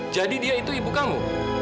jadi dia itu ibu kamu